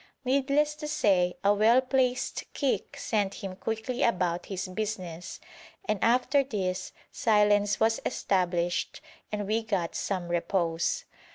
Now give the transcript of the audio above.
Needless to say a well placed kick sent him quickly about his business, and after this silence was established and we got some repose.